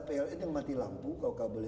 pln yang mati lampu kalau kabel